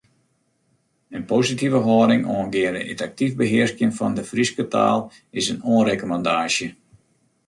In positive hâlding oangeande it aktyf behearskjen fan de Fryske taal is in oanrekommandaasje.